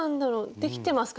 できてますか？